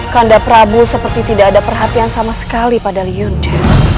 kanda prabu seperti tidak ada perhatian sama sekali pada lion che